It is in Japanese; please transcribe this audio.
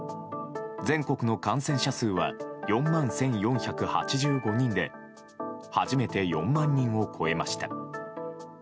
全国の感染者数は４万１４８５人で初めて４万人を超えました。